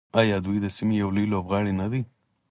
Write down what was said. آیا دوی د سیمې یو لوی لوبغاړی نه دی؟